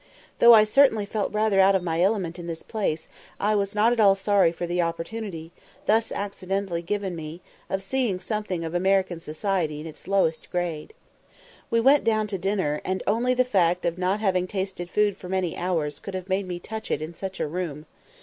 Though I certainly felt rather out of my element in this place, I was not at all sorry for the opportunity, thus accidentally given me, of seeing something of American society in its lowest grade. We went down to dinner, and only the fact of not having tasted food for many hours could have made me touch it in such a room.